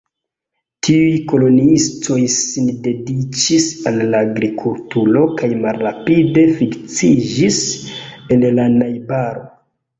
Tiuj koloniistoj sin dediĉis al la agrikulturo kaj malrapide fiksiĝis en la najbaro.